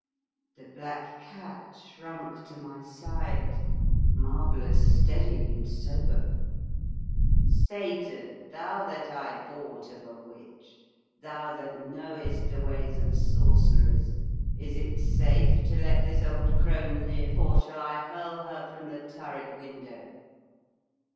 The black cat shrunk to my side, marvellous steady 49 The Fearsome Island and sober. " Satan, thou that I bought of a witch, thou that knowest the ways of sorcerers, is it safe to let this old crone live, or shall I hurl her from the turret window?